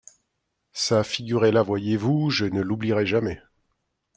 Sa figure est là, voyez-vous, je ne l'oublierai jamais.